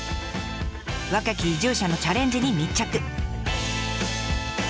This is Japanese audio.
若き移住者のチャレンジに密着。